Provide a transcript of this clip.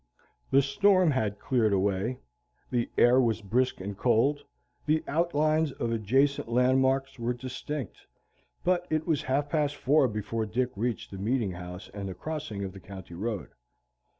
The storm had cleared away, the air was brisk and cold, the outlines of adjacent landmarks were distinct, but it was half past four before Dick reached the meeting house and the crossing of the county road.